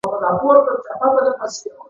د میږي چي مرګ راسي نو، وزري وکړي.